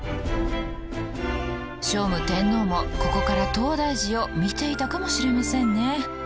聖武天皇もここから東大寺を見ていたかもしれませんね。